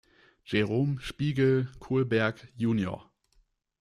Jerome Spiegel Kohlberg, Jr.